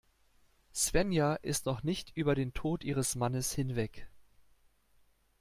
Svenja ist noch nicht über den Tod ihres Mannes hinweg.